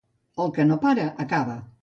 El que no para, acaba.